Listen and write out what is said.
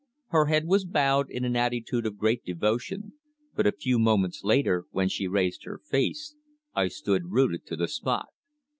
Her head was bowed in an attitude of great devotion, but a few moments later, when she raised her face, I stood rooted to the spot.